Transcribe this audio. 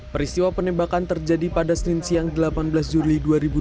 peristiwa penembakan terjadi pada senin siang delapan belas juli dua ribu dua puluh